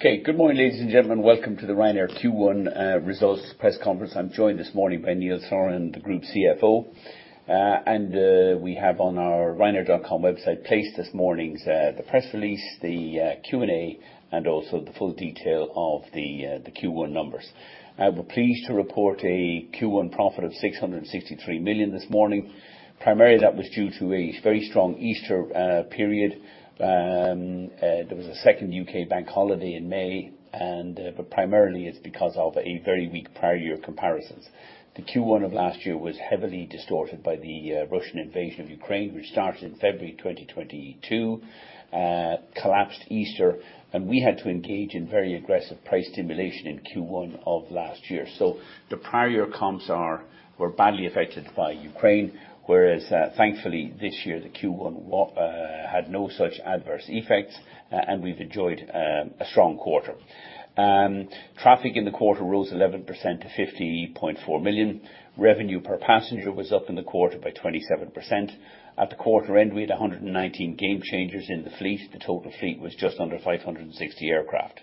Okay, good morning, ladies and gentlemen. Welcome to the Ryanair Q1 results press conference. I'm joined this morning by Neil Sorahan, the Group CFO. We have on our ryanair.com website placed this morning's the press release, the Q&A, and also the full detail of the Q1 numbers. We're pleased to report a Q1 profit of 663 million this morning. Primarily, that was due to a very strong Easter period. There was a second U.K. bank holiday in May, but primarily it's because of a very weak prior year comparisons. The Q1 of last year was heavily distorted by the Russian invasion of Ukraine, which started in February 2022, collapsed Easter, and we had to engage in very aggressive price stimulation in Q1 of last year. The prior year comps were badly affected by Ukraine, whereas, thankfully, this year, the Q1 had no such adverse effects, and we've enjoyed a strong quarter. Traffic in the quarter rose 11% to 50.4 million. Revenue per passenger was up in the quarter by 27%. At the quarter end, we had 119 Gamechangers in the fleet. The total fleet was just under 560 aircraft.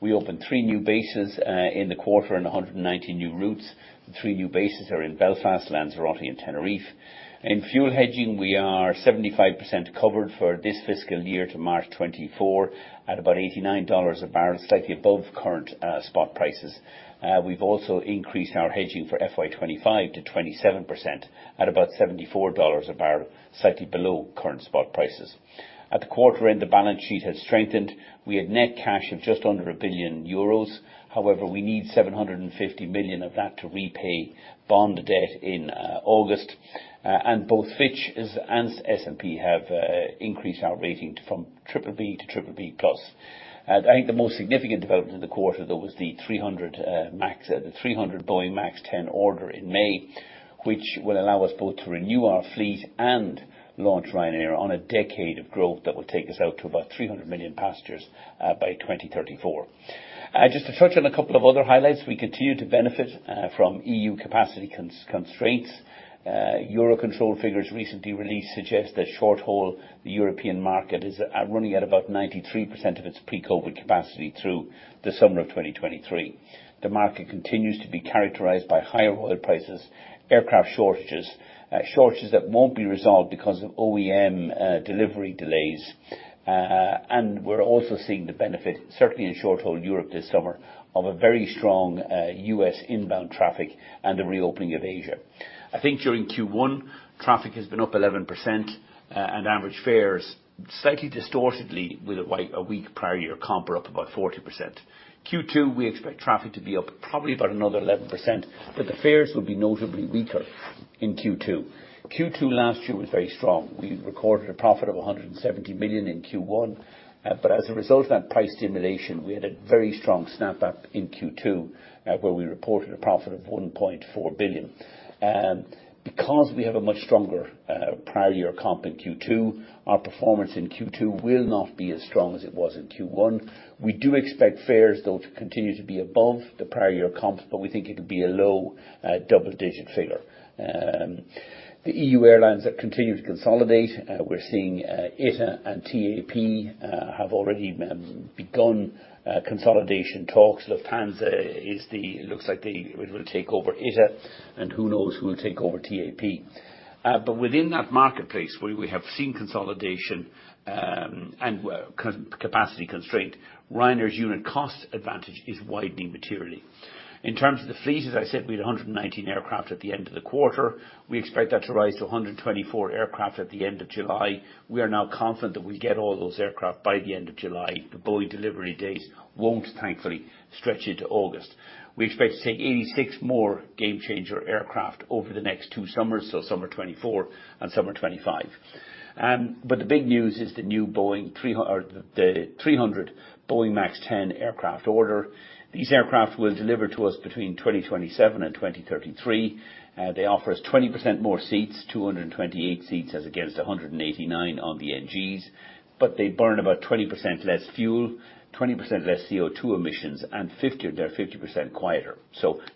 We opened three new bases in the quarter, and 190 new routes. The three new bases are in Belfast, Lanzarote, and Tenerife. In fuel hedging, we are 75% covered for this fiscal year to March 2024, at about $89 a barrel, slightly above current spot prices. We've also increased our hedging for FY25 to 27% at about $74 a barrel, slightly below current spot prices. At the quarter-end, the balance sheet had strengthened. We had net cash of just under 1 billion euros. However, we need 750 million of that to repay bond debt in August. Both Fitch and S&P have increased our rating from BBB to BBB+. I think the most significant development in the quarter, though, was the 300 Boeing MAX 10 order in May, which will allow us both to renew our fleet and launch Ryanair on a decade of growth that will take us out to about 300 million passengers by 2034. Just to touch on a couple of other highlights, we continue to benefit from EU capacity constraints. EUROCONTROL figures recently released suggest that short-haul, the European market, is running at about 93% of its pre-COVID capacity through the summer of 2023. The market continues to be characterized by higher oil prices, aircraft shortages that won't be resolved because of OEM delivery delays. We're also seeing the benefit, certainly in short-haul Europe this summer, of a very strong U.S. inbound traffic and the reopening of Asia. I think during Q1, traffic has been up 11%, and average fares, slightly distortedly with a weak prior year comp, are up about 40%. Q2, we expect traffic to be up probably about another 11%, but the fares will be notably weaker in Q2. Q2 last year was very strong. We recorded a profit of 170 million in Q1, but as a result of that price stimulation, we had a very strong snap-up in Q2, where we reported a profit of 1.4 billion. Because we have a much stronger prior year comp in Q2, our performance in Q2 will not be as strong as it was in Q1. We do expect fares, though, to continue to be above the prior year comp, but we think it'll be a low double-digit figure. The EU airlines have continued to consolidate. We're seeing ITA and TAP have already begun consolidation talks. Lufthansa looks like they will take over ITA, and who knows who will take over TAP. Within that marketplace, where we have seen consolidation, and capacity constraint, Ryanair's unit cost advantage is widening materially. In terms of the fleet, as I said, we had 119 aircraft at the end of the quarter. We expect that to rise to 124 aircraft at the end of July. We are now confident that we'll get all those aircraft by the end of July. The Boeing delivery dates won't, thankfully, stretch into August. We expect to take 86 more Gamechanger aircraft over the next two summers, so summer 2024 and summer 2025. The big news is the new Boeing or the 300 Boeing MAX 10 aircraft order. These aircraft will deliver to us between 2027 and 2033. They offer us 20% more seats, 228 seats, as against 189 on the NGs, but they burn about 20% less fuel, 20% less CO2 emissions, and they're 50% quieter.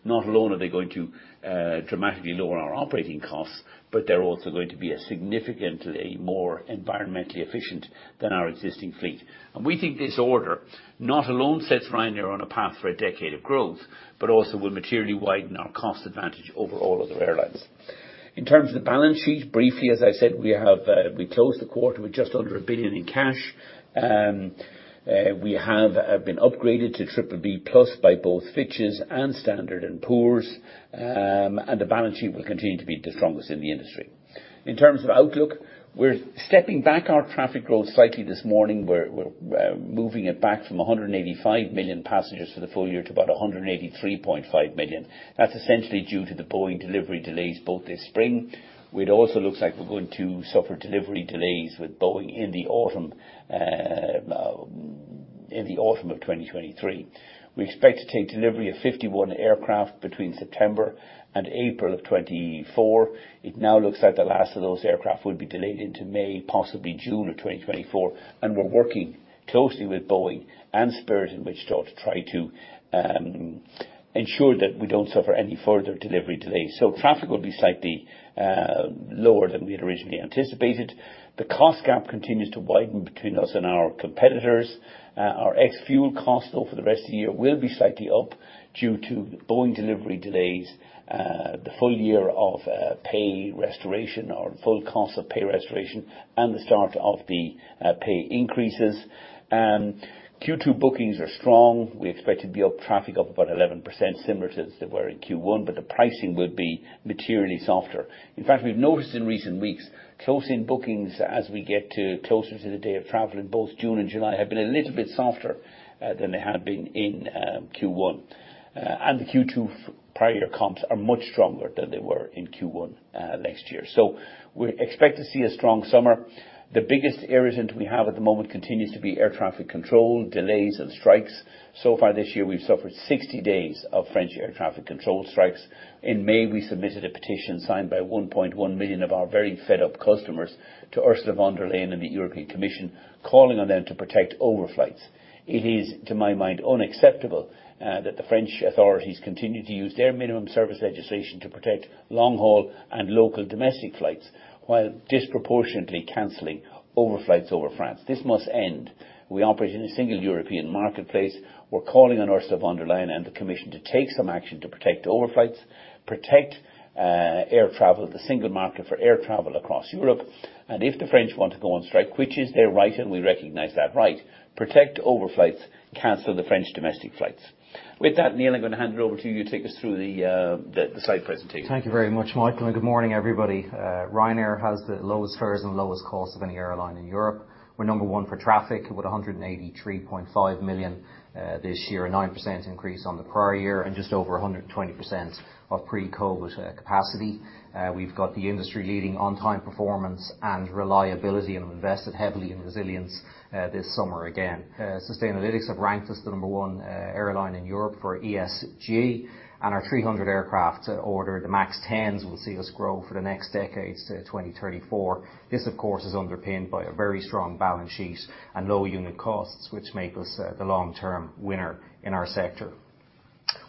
Not only are they going to dramatically lower our operating costs, but they're also going to be a significantly more environmentally efficient than our existing fleet. We think this order not alone sets Ryanair on a path for a decade of growth, but also will materially widen our cost advantage over all other airlines. In terms of the balance sheet, briefly, as I said, we have, we closed the quarter with just under 1 billion in cash. And We have been upgraded to BBB+ by both Fitch's and Standard & Poor's, and the balance sheet will continue to be the strongest in the industry. In terms of outlook, we're stepping back our traffic growth slightly this morning, we're moving it back from 185 million passengers for the full year to about 183.5 million. That's essentially due to the Boeing delivery delays both this spring. We'd also looks like we're going to suffer delivery delays with Boeing in the autumn of 2023. We expect to take delivery of 51 aircraft between September and April of 2024. It now looks like the last of those aircraft will be delayed into May, possibly June of 2024, and we're working closely with Boeing and Spirit in which to try to ensure that we don't suffer any further delivery delays. Traffic will be slightly lower than we had originally anticipated. The cost gap continues to widen between us and our competitors. Our ex-fuel costs over the rest of the year will be slightly up due to Boeing delivery delays, the full year of pay restoration or the full cost of pay restoration, and the start of the pay increases. Q2 bookings are strong. We expect to be up traffic up about 11%, similar to as they were in Q1, but the pricing will be materially softer. In fact, we've noticed in recent weeks, closing bookings as we get to closer to the day of travel in both June and July, have been a little bit softer than they had been in Q1. The Q2 prior year comps are much stronger than they were in Q1 last year. We expect to see a strong summer. The biggest irritant we have at the moment continues to be air traffic control, delays and strikes. Far this year, we've suffered 60 days of French air traffic control strikes. In May, we submitted a petition signed by 1.1 million of our very fed-up customers to Ursula von der Leyen and the European Commission, calling on them to protect overflights. It is, to my mind, unacceptable that the French authorities continue to use their minimum service legislation to protect long-haul and local domestic flights, while disproportionately canceling overflights over France. This must end. We operate in a single European marketplace. We're calling on Ursula von der Leyen and the Commission to take some action to protect overflights, protect air travel, the single market for air travel across Europe. If the French want to go on strike, which is their right, and we recognize that right, protect overflights, cancel the French domestic flights. With that, Neil, I'm going to hand it over to you to take us through the site presentation. Thank you very much, Michael, good morning, everybody. Ryanair has the lowest fares and lowest costs of any airline in Europe. We're number one for traffic, with 183.5 million this year, a 9% increase on the prior year, and just over 120% of pre-COVID capacity. We've got the industry-leading on-time performance and reliability, we've invested heavily in resilience this summer again. Sustainalytics have ranked us the number one airline in Europe for ESG, our 300 aircraft order, the MAX 10s, will see us grow for the next decade to 2034. This, of course, is underpinned by a very strong balance sheet and low unit costs, which make us the long-term winner in our sector.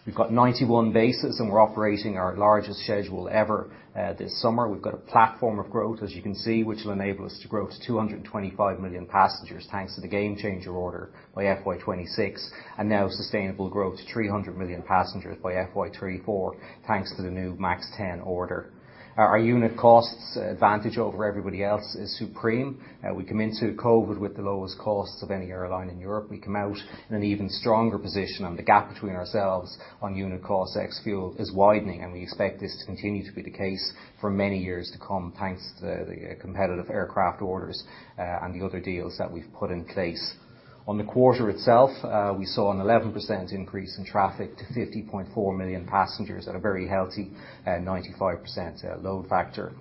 We've got 91 bases, we're operating our largest schedule ever this summer. We've got a platform of growth, as you can see, which will enable us to grow to 225 million passengers, thanks to the Gamechanger order by FY26, and now sustainable growth to 300 million passengers by FY34, thanks to the new MAX 10 order. Our unit costs advantage over everybody else is supreme. We come into COVID with the lowest costs of any airline in Europe. We come out in an even stronger position, and the gap between ourselves on unit cost ex fuel is widening, and we expect this to continue to be the case for many years to come, thanks to the competitive aircraft orders and the other deals that we've put in place. On the quarter itself, we saw an 11% increase in traffic to 50.4 million passengers at a very healthy, 95% load factor.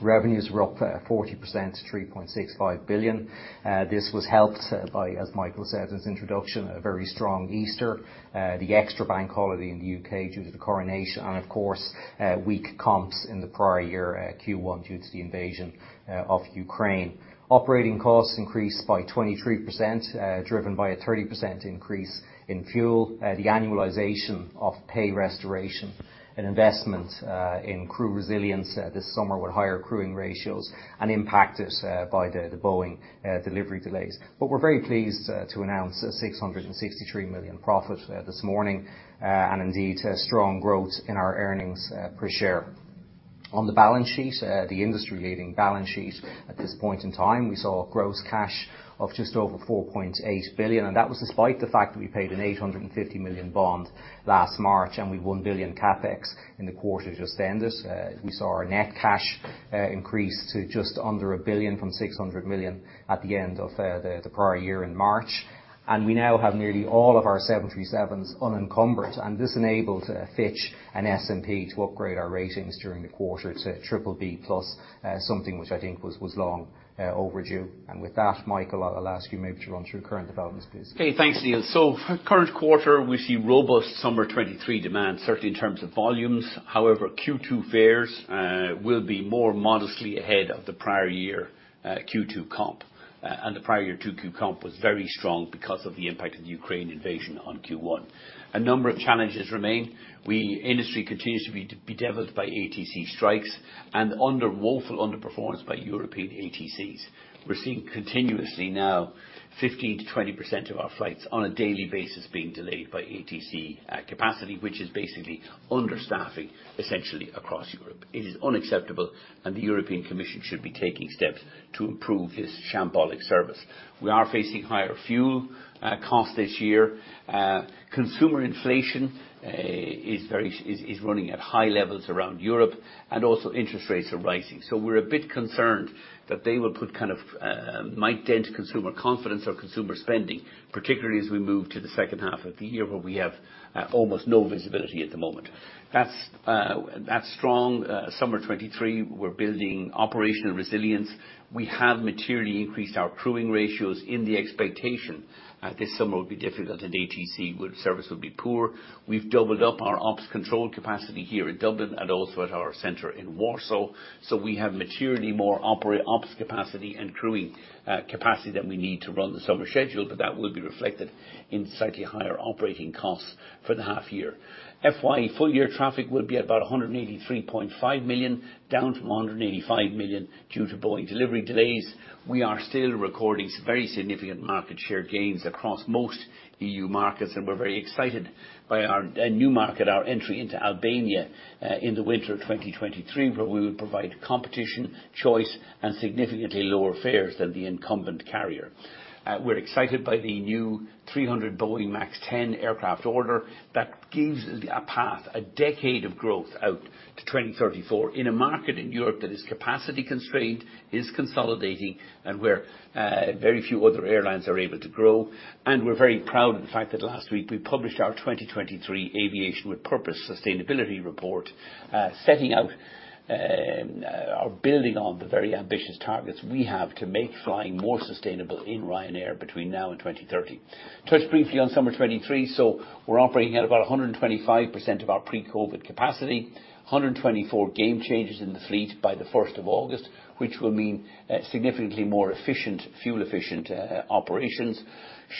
Revenues were up 40% to 3.65 billion. This was helped by, as Michael said in his introduction, a very strong Easter, the extra bank holiday in the U.K. due to the Coronation. Of course, weak comps in the prior year, Q1, due to the invasion of Ukraine. Operating costs increased by 23%, driven by a 30% increase in fuel, the annualization of pay restoration and investment in crew resilience this summer, with higher crewing ratios and impacted by the Boeing delivery delays. But we are very pleased to announce a 663 million profit this morning, and indeed, a strong growth in our earnings per share. On the balance sheet, the industry-leading balance sheet at this point in time, we saw gross cash of just over 4.8 billion, and that was despite the fact that we paid an 850 million bond last March and with 1 billion CapEx in the quarter just ended. We saw our net cash increase to just under 1 billion from 600 million at the end of the prior year in March. And we now have nearly all of our 737s unencumbered, and this enabled Fitch and S&P to upgrade our ratings during the quarter to BBB+, something which I think was long overdue. With that, Michael, I'll ask you maybe to run through current developments, please. Thanks, Neil. For current quarter, we see robust summer 2023 demand, certainly in terms of volumes. However, Q2 fares will be more modestly ahead of the prior year Q2 comp. The prior year 2Q comp was very strong because of the impact of the Ukraine invasion on Q1. A number of challenges remain. Industry continues to be bedeviled by ATC strikes and woeful underperformance by European ATCs. We're seeing continuously now, 15%-20% of our flights on a daily basis being delayed by ATC capacity, which is basically understaffing, essentially across Europe. It is unacceptable. The European Commission should be taking steps to improve this shambolic service. We are facing higher fuel costs this year. Consumer inflation is running at high levels around Europe, interest rates are rising. We're a bit concerned that they will put kind of, might dent consumer confidence or consumer spending, particularly as we move to the second half of the year, where we have almost no visibility at the moment. That's that strong summer 2023, we're building operational resilience. We have materially increased our crewing ratios in the expectation this summer will be difficult, and ATC service will be poor. We've doubled up our ops control capacity here in Dublin and also at our center in Warsaw. We have materially more ops control capacity and crewing capacity than we need to run the summer schedule, but that will be reflected in slightly higher operating costs for the half year. FY full-year traffic will be about 183.5 million, down from 185 million due to Boeing delivery delays. We are still recording some very significant market share gains across most EU markets. We're very excited by our new market, our entry into Albania, in the winter of 2023, where we will provide competition, choice, and significantly lower fares than the incumbent carrier. We're excited by the new 300 Boeing MAX 10 aircraft order. That gives a path, a decade of growth out to 2034 in a market in Europe that is capacity-constrained, is consolidating, and where very few other airlines are able to grow. We're very proud of the fact that last week we published our 2023 Aviation With Purpose Sustainability Report, setting out or building on the very ambitious targets we have to make flying more sustainable in Ryanair between now and 2030. Touch briefly on summer 2023. We're operating at about 125% of our pre-COVID capacity. 124 Gamechangers in the fleet by the first of August, which will mean significantly more efficient, fuel-efficient operations.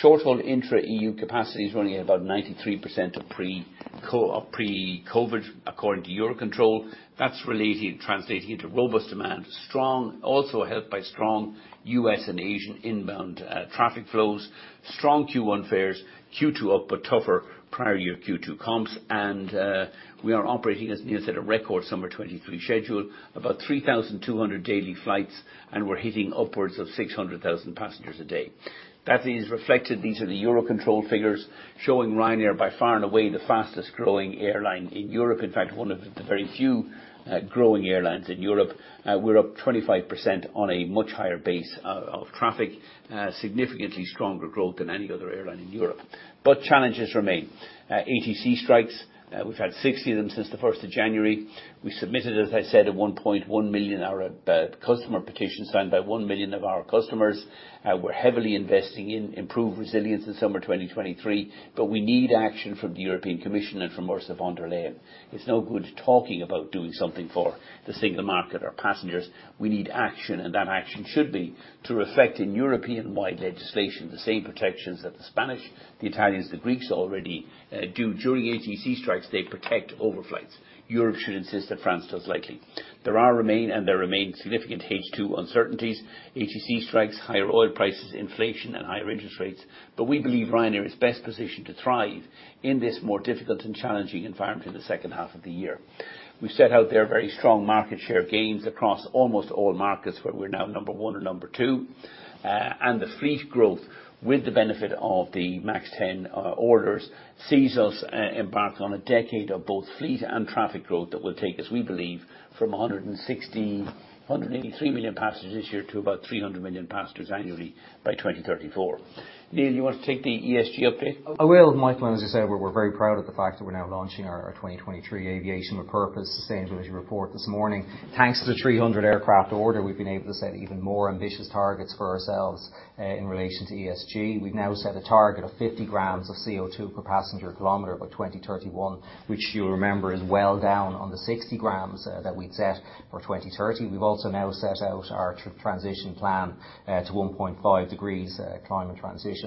Shorthaul intra-EU capacity is running at about 93% of pre-COVID, according to EUROCONTROL. That's relating, translating into robust demand, also helped by strong US and Asian inbound traffic flows. Strong Q1 fares, Q2 up, tougher prior year Q2 comps, we are operating, as Neil said, a record summer 2023 schedule, about 3,200 daily flights, and we're hitting upwards of 600,000 passengers a day. That is reflected. These are the EUROCONTROL figures showing Ryanair, by far and away, the fastest-growing airline in Europe. In fact, one of the very few growing airlines in Europe. We're up 25% on a much higher base of traffic, significantly stronger growth than any other airline in Europe. Challenges remain. ATC strikes, we've had 60 of them since the 1st of January. We submitted, as I said, a 1.1 million customer petition signed by 1 million of our customers. We're heavily investing in improved resilience in summer 2023. We need action from the European Commission and from Ursula von der Leyen. It's no good talking about doing something for the Single Market or passengers. We need action. That action should be to reflect in European-wide legislation, the same protections that the Spanish, the Italians, the Greeks already do during ATC strikes. They protect overflights. Europe should insist that France does likely. There remain significant H2 uncertainties, ATC strikes, higher oil prices, inflation, and higher interest rates. We believe Ryanair is best positioned to thrive in this more difficult and challenging environment in the second half of the year. We've set out their very strong market share gains across almost all markets, where we're now number one or number two. The fleet growth, with the benefit of the MAX 10 orders, sees us embark on a decade of both fleet and traffic growth that will take, as we believe, from 160-183 million passengers this year to about 300 million passengers annually by 2034. Neil Sorahan, you want to take the ESG update? I will, Michael. As I said, we're very proud of the fact that we're now launching our 2023 Aviation With Purpose sustainability report this morning. Thanks to the 300 aircraft order, we've been able to set even more ambitious targets for ourselves in relation to ESG. We've now set a target of 50 gm of CO2 per passenger kilometer by 2031, which you'll remember is well down on the 60 gm that we'd set for 2030. We've also now set out our transition plan to 1.5 degrees climate transition,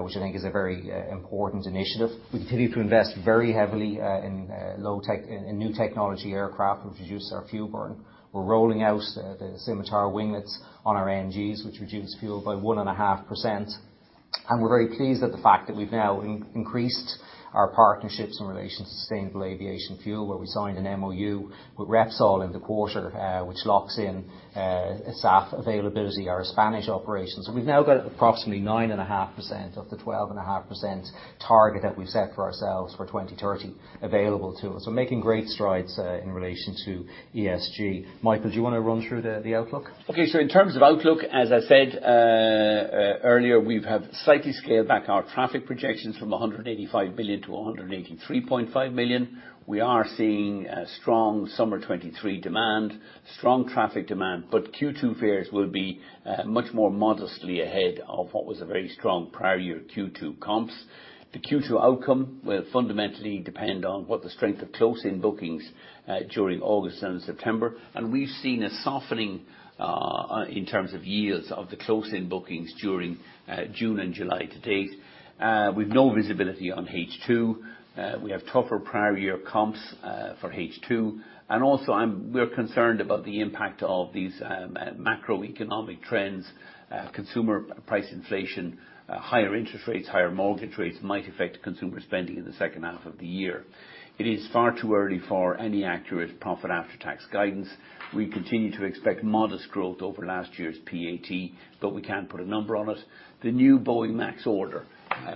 which I think is a very important initiative. We continue to invest very heavily in new technology aircraft, which reduce our fuel burn. We're rolling out the Scimitar Winglets on our NGs, which reduce fuel by 1.5%. We're very pleased at the fact that we've now increased our partnerships in relation to sustainable aviation fuel, where we signed an MoU with Repsol in the quarter, which locks in a SAF availability, our Spanish operations. We've now got approximately 9.5% of the 12.5% target that we've set for ourselves for 2030 available to us. Making great strides in relation to ESG. Michael, do you want to run through the outlook? In terms of outlook, as I said earlier, we've had slightly scaled back our traffic projections from 185 million to 183.5 million. We are seeing a strong summer 2023 demand, strong traffic demand, but Q2 fares will be much more modestly ahead of what was a very strong prior year Q2 comps. The Q2 outcome will fundamentally depend on what the strength of close-in bookings during August and September. We've seen a softening in terms of yields of the close-in bookings during June and July to date. We've no visibility on H2. We have tougher prior year comps for H2, also we're concerned about the impact of these macroeconomic trends, consumer price inflation, higher interest rates, higher mortgage rates might affect consumer spending in the second half of the year. It is far too early for any accurate profit after tax guidance. We continue to expect modest growth over last year's PAT, but we can't put a number on it. The new Boeing MAX order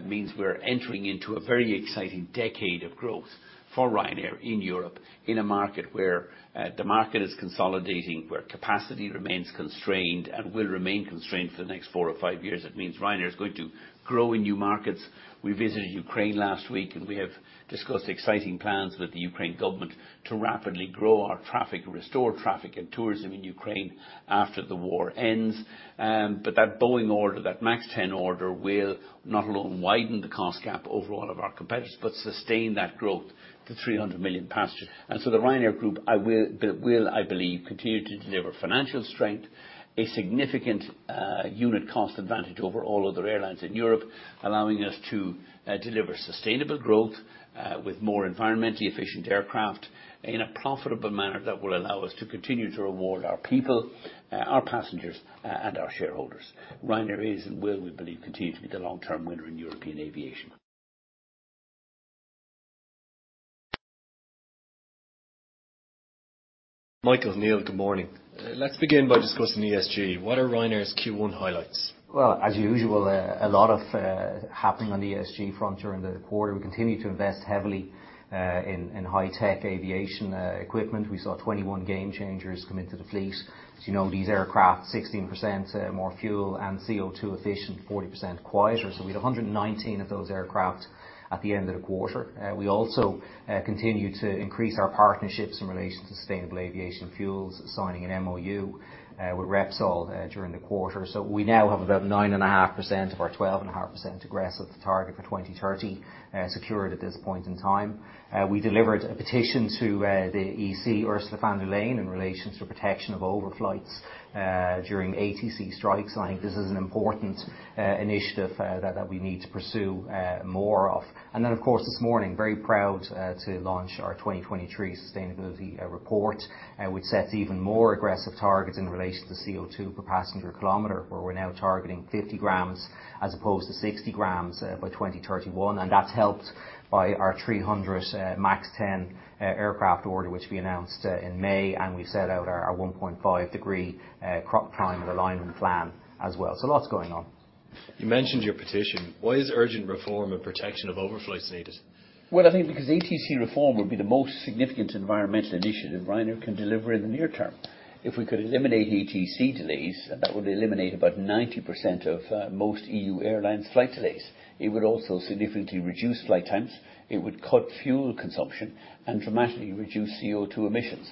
means we're entering into a very exciting decade of growth for Ryanair in Europe, in a market where the market is consolidating, where capacity remains constrained and will remain constrained for the next four or five years. It means Ryanair is going to grow in new markets. We visited Ukraine last week, we have discussed exciting plans with the Ukraine government to rapidly grow our traffic, restore traffic and tourism in Ukraine after the war ends. That Boeing order, that MAX 10 order, will not only widen the cost gap over all of our competitors, but sustain that growth to 300 million passengers. The Ryanair Group, I will, I believe, continue to deliver financial strength, a significant unit cost advantage over all other airlines in Europe, allowing us to deliver sustainable growth with more environmentally efficient aircraft in a profitable manner that will allow us to continue to reward our people, our passengers, and our shareholders. Ryanair is and will, we believe, continue to be the long-term winner in European aviation. Michael O'Leary, good morning. Let's begin by discussing ESG. What are Ryanair's Q1 highlights? As usual, a lot of happening on the ESG front during the quarter. We continue to invest heavily in high-tech aviation equipment. We saw 21 Gamechangers come into the fleet. As you know, these aircraft, 16% more fuel and CO2 efficient, 40% quieter. We had 119 of those aircraft at the end of the quarter. We also continue to increase our partnerships in relation to sustainable aviation fuels, signing an MoU with Repsol during the quarter. We now have about 9.5% of our 12.5% aggressive target for 2030 secured at this point in time. We delivered a petition to the EC, Ursula von der Leyen, in relations to protection of overflights during ATC strikes. I think this is an important initiative that we need to pursue more of. Of course, this morning, very proud to launch our 2023 sustainability report, which sets even more aggressive targets in relation to CO2 per passenger kilometer, where we're now targeting 50 gm as opposed to 60 gm by 2031. That's helped by our 300 MAX 10 aircraft order, which we announced in May, and we set out our 1.5 degrees Celsius crop climate alignment plan as well. Lots going on. You mentioned your petition. Why is urgent reform and protection of overflights needed? I think because ATC reform would be the most significant environmental initiative Ryanair can deliver in the near term. If we could eliminate ATC delays, that would eliminate about 90% of most EU airlines' flight delays. It would also significantly reduce flight times. It would cut fuel consumption and dramatically reduce CO2 emissions.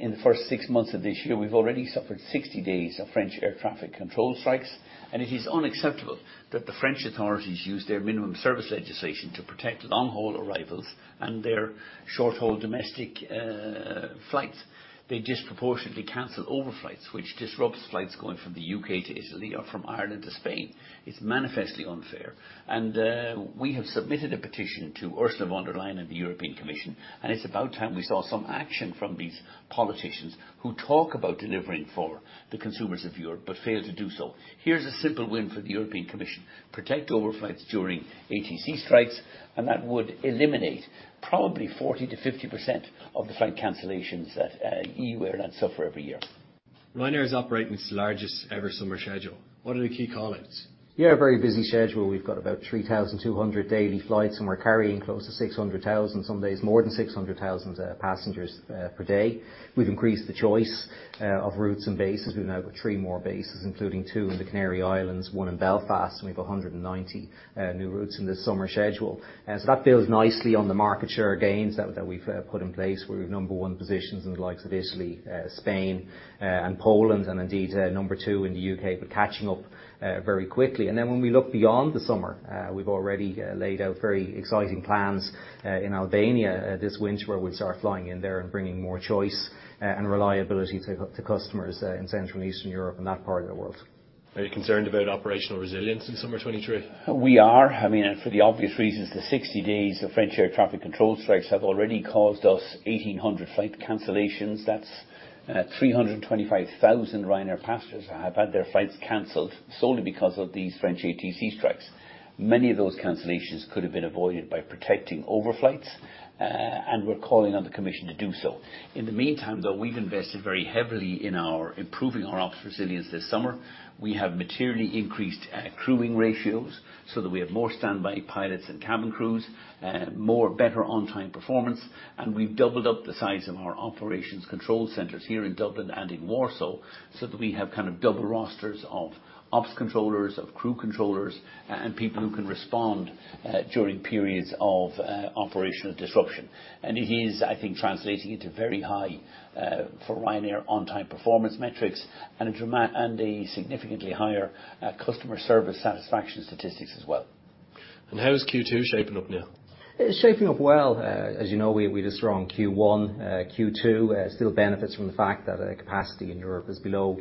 In the first six months of this year, we've already suffered 60 days of French air traffic control strikes, and it is unacceptable that the French authorities use their minimum service legislation to protect long-haul arrivals and their short-haul domestic flights. They disproportionately cancel overflights, which disrupts flights going from the U.K. to Italy or from Ireland to Spain. It's manifestly unfair. We have submitted a petition to Ursula von der Leyen and the European Commission. It's about time we saw some action from these politicians who talk about delivering for the consumers of Europe, but fail to do so. Here's a simple win for the European Commission: Protect overflights during ATC strikes. That would eliminate probably 40%-50% of the flight cancellations that EU airlines suffer every year. Ryanair is operating its largest-ever summer schedule. What are the key call-outs? A very busy schedule. We've got about 3,200 daily flights, and we're carrying close to 600,000, some days more than 600,000 passengers per day. We've increased the choice of routes and bases. We've now got three more bases, including two in the Canary Islands, one in Belfast, and we've 190 new routes in this summer schedule. That builds nicely on the market share gains that we've put in place, with number one positions in the likes of Italy, Spain, and Poland, and indeed, number two in the U.K., but catching up very quickly. When we look beyond the summer, we've already laid out very exciting plans in Albania this winter, where we'll start flying in there and bringing more choice and reliability to customers in Central and Eastern Europe and that part of the world. Are you concerned about operational resilience in summer 2023? We are. I mean, for the obvious reasons, the 60 days of French air traffic control strikes have already caused us 1,800 flight cancellations. That's 325,000 Ryanair passengers have had their flights canceled solely because of these French ATC strikes. Many of those cancellations could have been avoided by protecting overflights. We're calling on the commission to do so. In the meantime, though, we've invested very heavily in our improving our ops resilience this summer. We have materially increased crewing ratios so that we have more standby pilots and cabin crews, more better on-time performance, and we've doubled up the size of our operations control centers here in Dublin and in Warsaw, so that we have kind of double rosters of ops controllers, of crew controllers, and people who can respond during periods of operational disruption. It is, I think, translating into very high, for Ryanair on-time performance metrics and a significantly higher, customer service satisfaction statistics as well. How is Q2 shaping up now? It's shaping up well. As you know, we had a strong Q1. Q2 still benefits from the fact that capacity in Europe is below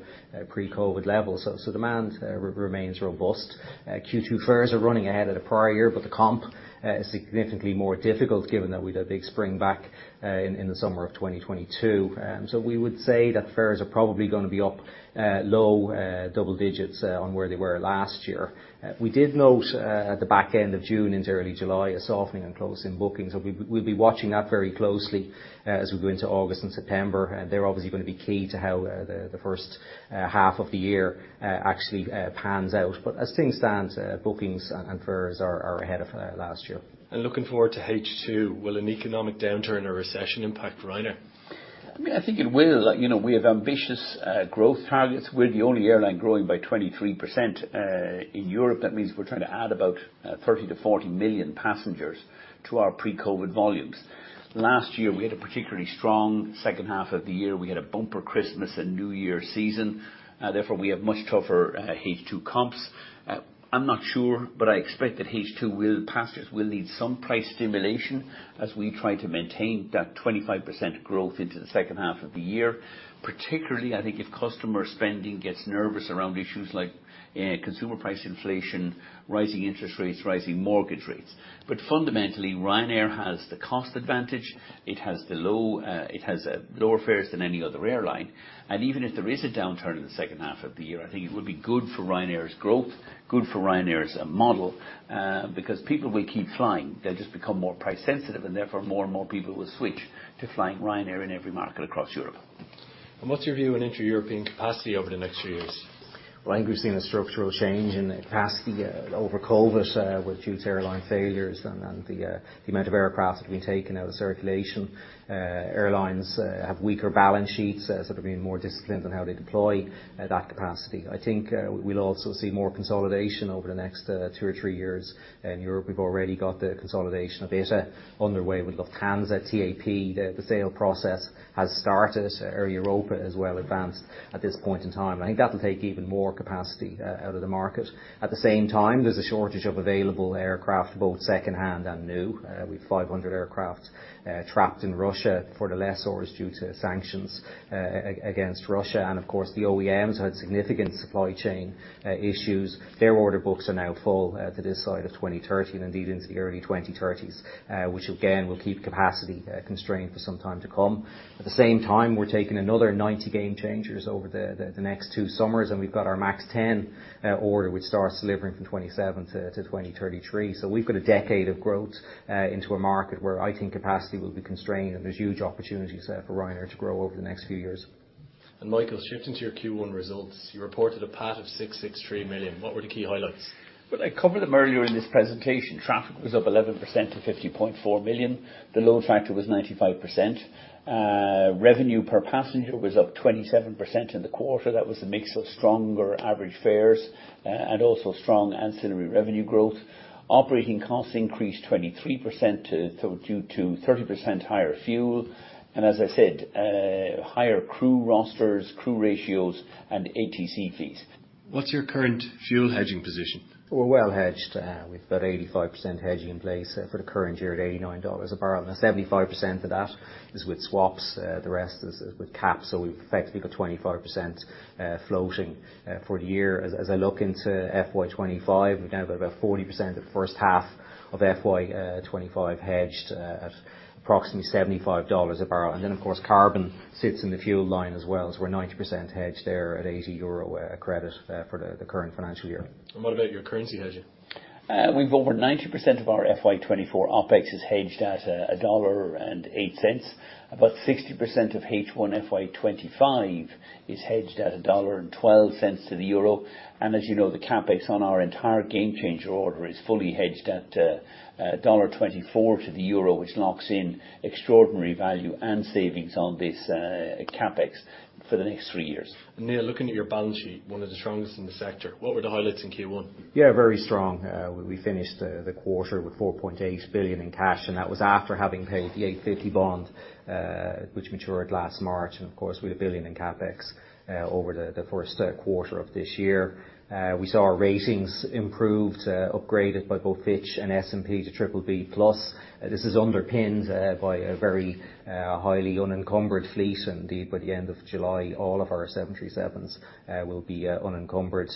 pre-COVID levels, so demand remains robust. Q2 fares are running ahead of the prior year, but the comp is significantly more difficult given that we had a big spring back in the summer of 2022. We would say that fares are probably gonna be up low double digits on where they were last year. We did note at the back end of June into early July, a softening in close-in bookings, so we'll be watching that very closely as we go into August and September. They're obviously gonna be key to how the first half of the year actually pans out. As things stand, bookings and fares are ahead of last year. Looking forward to H2, will an economic downturn or recession impact Ryanair? I mean, I think it will. You know, we have ambitious, growth targets. We're the only airline growing by 23%. In Europe, that means we're trying to add about 30 million-40 million passengers to our pre-COVID volumes. Last year, we had a particularly strong second half of the year. We had a bumper Christmas and New Year season, therefore, we have much tougher H2 comps. I'm not sure, but I expect that H2 will. Passengers will need some price stimulation as we try to maintain that 25% growth into the second half of the year, particularly I think if customer spending gets nervous around issues like consumer price inflation, rising interest rates, rising mortgage rates. Fundamentally, Ryanair has the cost advantage. It has lower fares than any other airline, and even if there is a downturn in the second half of the year, I think it would be good for Ryanair's growth, good for Ryanair's model, because people will keep flying. They'll just become more price-sensitive, and therefore, more and more people will switch to flying Ryanair in every market across Europe. What's your view on inter-European capacity over the next few years? Well, I think we've seen a structural change in capacity over COVID, which due to airline failures and the amount of aircraft that have been taken out of circulation. Airlines have weaker balance sheets, so they're being more disciplined on how they deploy that capacity. I think we'll also see more consolidation over the next two or three years. In Europe, we've already got the consolidation of ITA underway with Lufthansa, TAP, the sale process has started. Air Europa is well advanced at this point in time. I think that'll take even more capacity out of the market. At the same time, there's a shortage of available aircraft, both secondhand and new. We've 500 aircraft trapped in Russia for the lessors due to sanctions against Russia, and of course, the OEMs had significant supply chain issues. Their order books are now full to this side of 2013, indeed into the early 2030s, which again, will keep capacity constrained for some time to come. At the same time, we're taking another 90 Gamechangers over the next two summers, and we've got our MAX 10 order, which starts delivering from 2027 to 2033. We've got a decade of growth into a market where I think capacity will be constrained, and there's huge opportunities for Ryanair to grow over the next few years. Michael, shifting to your Q1 results, you reported a PAT of 663 million. What were the key highlights? Well, I covered them earlier in this presentation. Traffic was up 11% to 50.4 billion. The load factor was 95%. Revenue per passenger was up 27% in the quarter. That was a mix of stronger average fares and also strong ancillary revenue growth. Operating costs increased 23% due to 30% higher fuel and as I said, higher crew rosters, crew ratios, and ATC fees. What's your current fuel hedging position? We're well hedged. We've about 85% hedging in place for the current year at $89 a barrel. 75% of that is with swaps. The rest is with caps, so we've effectively got 25% floating for the year. As I look into FY25, we've now got about 40% of the first half of FY25 hedged at approximately $75 a barrel. Of course, carbon sits in the fuel line as well, as we're 90% hedged there at 80 euro credit for the current financial year. What about your currency hedging? We've over 90% of our FY24 OpEx is hedged at $1.08. About 60% of H1 FY25 is hedged at $1.12 to the EUR. As you know, the CapEx on our entire Gamechanger order is fully hedged at $1.24 to the EUR, which locks in extraordinary value and savings on this CapEx for the next three years. Neil, looking at your balance sheet, one of the strongest in the sector, what were the highlights in Q1? Yeah, very strong. We finished the quarter with 4.8 billion in cash, and that was after having paid the 850 million bond, which matured last March, and of course, with 1 billion in CapEx over the first quarter of this year. We saw our ratings improved, upgraded by both Fitch and S&P to BBB+. This is underpinned by a very highly unencumbered fleet. Indeed, by the end of July, all of our 737s will be unencumbered,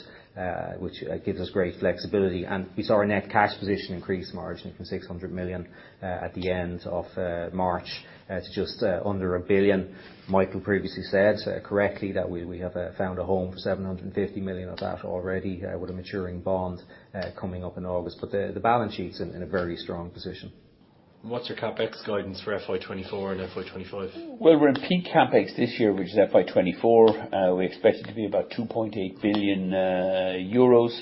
which gives us great flexibility. We saw our net cash position increase marginally from 600 million at the end of March to just under 1 billion. Michael previously said, correctly, that we have found a home for 750 million of that already, with a maturing bond, coming up in August. The balance sheet's in a very strong position. What's your CapEx guidance for FY24 and FY25? Well, we're in peak CapEx this year, which is FY24. We expect it to be about 2.8 billion euros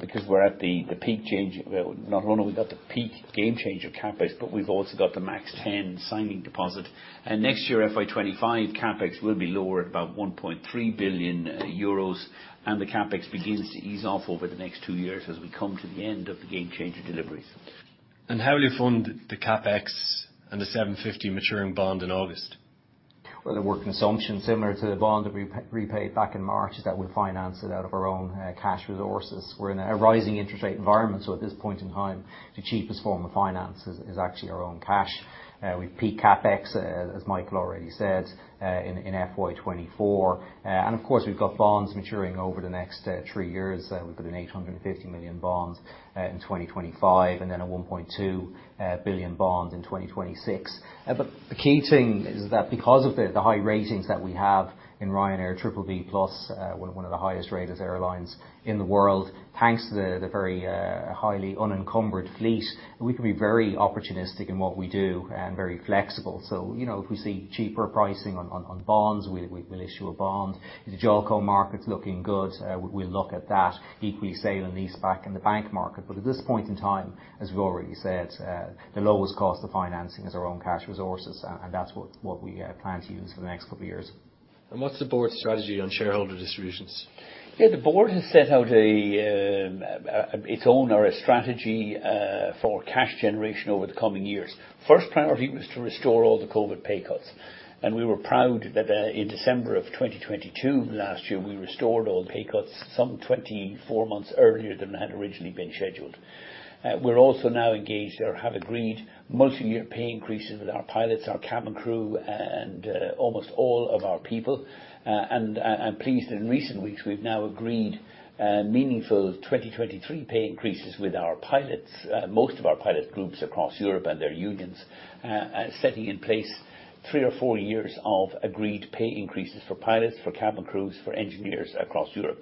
because we're at the peak change. Well, not only we got the peak Gamechanger CapEx, but we've also got the MAX 10 signing deposit. Next year, FY25, CapEx will be lower, about 1.3 billion euros, and the CapEx begins to ease off over the next two years as we come to the end of the game-changing deliveries. How will you fund the CapEx and the 750 maturing bond in August? There were consumption similar to the bond that we repaid back in March, is that we financed it out of our own cash resources. We're in a rising interest rate environment, at this point in time, the cheapest form of finance is actually our own cash. We've peak CapEx as Michael already said in FY24. We've got bonds maturing over the next three years. We've got an 850 million bonds in 2025, a 1.2 billion bonds in 2026. The key thing is that because of the high ratings that we have in Ryanair, BBB+, we're one of the highest rated airlines in the world, thanks to the very highly unencumbered fleet. We can be very opportunistic in what we do and very flexible. You know, if we see cheaper pricing on bonds, we will issue a bond. If the JOLCO market's looking good, we'll look at that. equity sale and leaseback in the bank market. At this point in time, as we've already said, the lowest cost of financing is our own cash resources, and that's what we plan to use for the next couple of years. What's the board's strategy on shareholder distributions? The board has set out its own or a strategy for cash generation over the coming years. First priority was to restore all the COVID pay cuts, and we were proud that in December of 2022, last year, we restored all pay cuts some 24 months earlier than had originally been scheduled. We're also now engaged or have agreed multi-year pay increases with our pilots, our cabin crew, and almost all of our people. I'm pleased in recent weeks, we've now agreed meaningful 2023 pay increases with our pilots, most of our pilot groups across Europe and their unions, setting in place three or four years of agreed pay increases for pilots, for cabin crews, for engineers across Europe.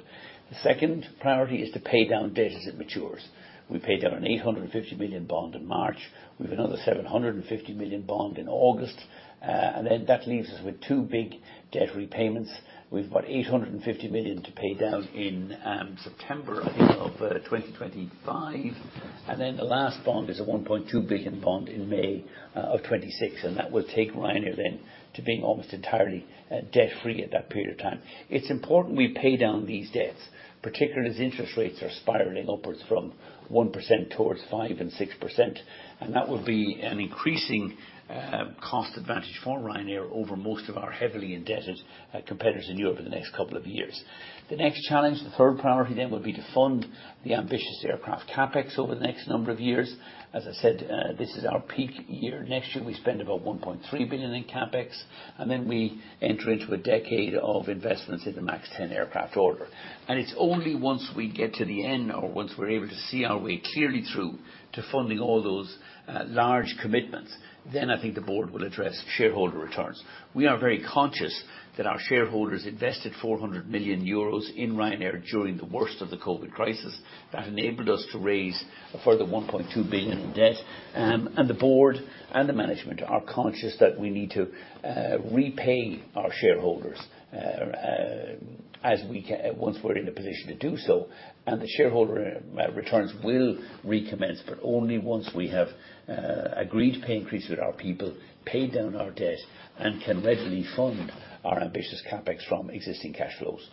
The second priority is to pay down debt as it matures. We paid down a 850 million bond in March. We've another 750 million bond in August. That leaves us with two big debt repayments. We've about 850 million to pay down in September, I think, of 2025. The last bond is a 1.2 billion bond in May of 2026, and that will take Ryanair then to being almost entirely debt-free at that period of time. It's important we pay down these debts, particularly as interest rates are spiraling upwards from 1% towards 5% and 6%, and that would be an increasing cost advantage for Ryanair over most of our heavily indebted competitors in Europe in the next couple of years. The next challenge, the third priority, then, would be to fund the ambitious aircraft CapEx over the next number of years. As I said, this is our peak year. Next year, we spend about 1.3 billion in CapEx, and then we enter into a decade of investments in the MAX 10 aircraft order. It's only once we get to the end or once we're able to see our way clearly through to funding all those large commitments, then I think the board will address shareholder returns. We are very conscious that our shareholders invested 400 million euros in Ryanair during the worst of the COVID crisis. That enabled us to raise a further 1.2 billion in debt. The board and the management are conscious that we need to repay our shareholders once we're in a position to do so. The shareholder returns will recommence, but only once we have agreed pay increase with our people, paid down our debt, and can readily fund our ambitious CapEx from existing cash flows.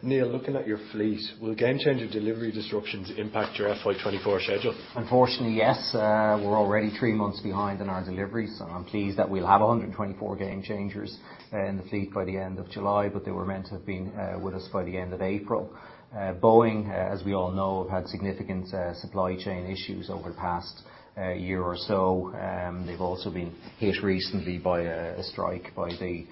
Neil, looking at your fleet, will Gamechanger delivery disruptions impact your FY24 schedule? Unfortunately, yes. We're already 3 months behind on our deliveries. I'm pleased that we'll have 124 Gamechangers in the fleet by the end of July, but they were meant to have been with us by the end of April. Boeing, as we all know, have had significant supply chain issues over the past year or so. They've also been hit recently by a strike by the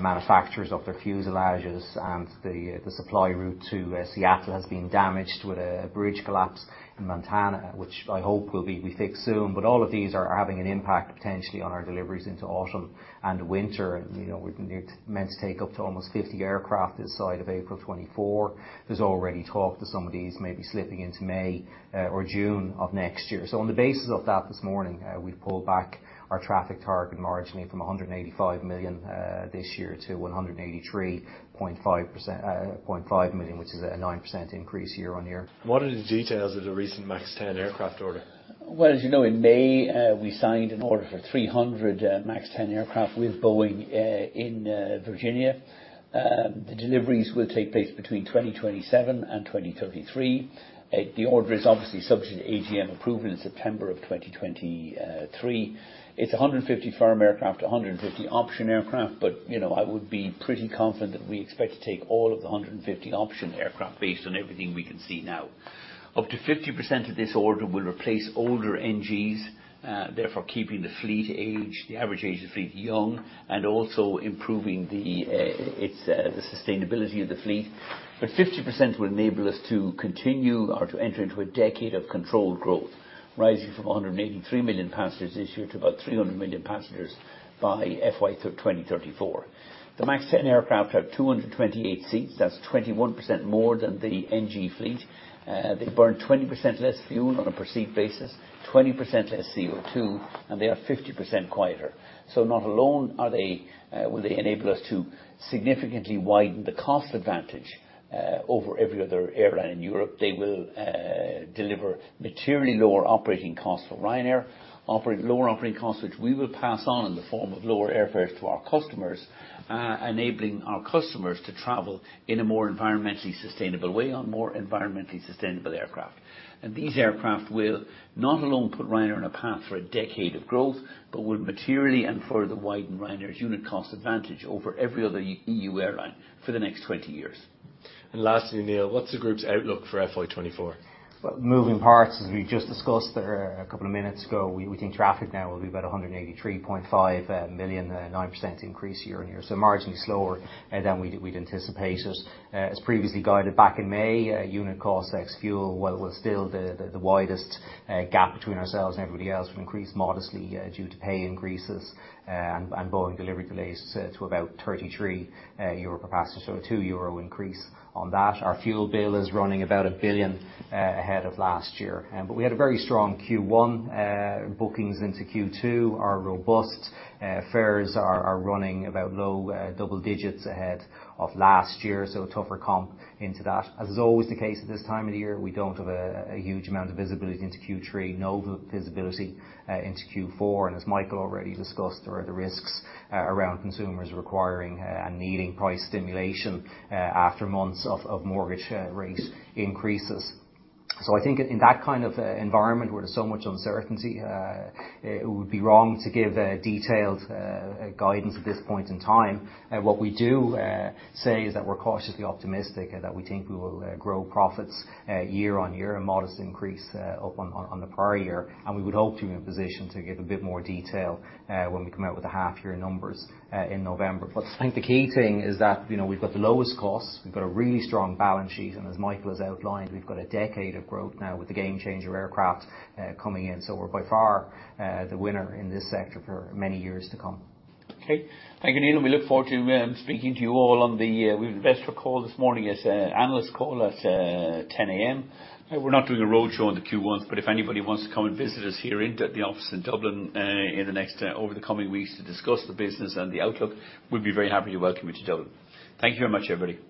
manufacturers of their fuselages, and the supply route to Seattle has been damaged with a bridge collapse in Montana, which I hope will be fixed soon. All of these are having an impact potentially on our deliveries into autumn and winter. You know, we're meant to take up to almost 50 aircraft this side of April 2024. There's already talk that some of these may be slipping into May or June of next year. On the basis of that, this morning, we've pulled back our traffic target marginally from 185 million this year to 183.5 million, which is a 9% increase year-on-year. What are the details of the recent MAX 10 aircraft order? Well, as you know, in May, we signed an order for 300 MAX 10 aircraft with Boeing in Virginia. The deliveries will take place between 2027 and 2033. The order is obviously subject to AGM approval in September of 2023. It's 150 firm aircraft, 150 option aircraft, but, you know, I would be pretty confident that we expect to take all of the 150 option aircraft based on everything we can see now. Upto 50% of this order will replace older NGs, therefore, keeping the fleet age, the average age of fleet young, and also improving the its the sustainability of the fleet. Fifty percent will enable us to continue or to enter into a decade of controlled growth, rising from 183 million passengers this year to about 300 million passengers by FY34. The MAX 10 aircraft have 228 seats. That's 21% more than the NG fleet. They burn 20% less fuel on a perceived basis, 20% less CO2, and they are 50% quieter. Not alone are they, will they enable us to significantly widen the cost advantage over every other airline in Europe. They will deliver materially lower operating costs for Ryanair, lower operating costs, which we will pass on in the form of lower airfares to our customers, enabling our customers to travel in a more environmentally sustainable way on more environmentally sustainable aircraft. These aircraft will not alone put Ryanair on a path for a decade of growth, but will materially and further widen Ryanair's unit cost advantage over every other EU airline for the next 20 years. lastly, Neil, what's the group's outlook for FY24? Moving parts, as we just discussed there a couple of minutes ago, we think traffic now will be about 183.5 million, a 9% increase year-on-year, marginally slower than we'd anticipated. As previously guided back in May, unit cost ex fuel, while we're still the widest gap between ourselves and everybody else, will increase modestly due to pay increases and Boeing delivery delays to about 33 euro per passenger, a 2 euro increase on that. Our fuel bill is running about 1 billion ahead of last year. We had a very strong Q1. Bookings into Q2 are robust. Fares are running about low double digits ahead of last year, a tougher comp into that. As is always the case at this time of the year, we don't have a huge amount of visibility into Q3, no visibility into Q4. As Michael already discussed, there are the risks around consumers requiring and needing price stimulation after months of mortgage rate increases. I think in that kind of environment where there's so much uncertainty, it would be wrong to give detailed guidance at this point in time. What we do say is that we're cautiously optimistic, and that we think we will grow profits year-on-year, a modest increase up on the prior year. We would hope to be in a position to give a bit more detail when we come out with the half year numbers in November. I think the key thing is that, you know, we've got the lowest costs, we've got a really strong balance sheet, and as Michael has outlined, we've got a decade of growth now with the Gamechanger aircraft coming in. We're by far the winner in this sector for many years to come. Okay. Thank you, Neil. We look forward to speaking to you all. We've registered a call this morning as an analyst call at 10:00 A.M. We're not doing a roadshow on the Q1, but if anybody wants to come and visit us here in the office in Dublin, in the next, over the coming weeks to discuss the business and the outlook, we'd be very happy to welcome you to Dublin. Thank you very much, everybody.